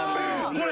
これ。